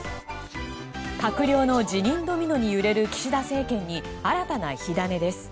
閣僚の辞任ドミノに揺れる岸田政権に新たな火種です。